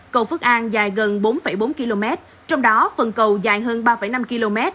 cầu phước an dài gần bốn bốn km trong đó phần cầu dài hơn ba năm km